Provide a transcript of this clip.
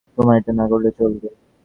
তোমার এটা না করলেও চলবে।